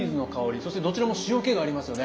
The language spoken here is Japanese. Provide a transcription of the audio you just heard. そしてどちらも塩気がありますよね。